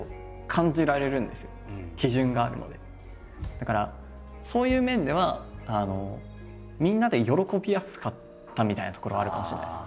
だからそういう面ではみんなで喜びやすかったみたいなところはあるかもしれないです。